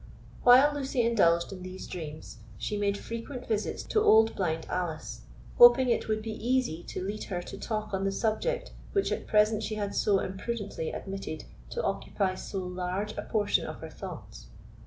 While Lucy indulged in these dreams, she made frequent visits to old blind Alice, hoping it would be easy to lead her to talk on the subject which at present she had so imprudently admitted to occupy so large a portion of her thoughts.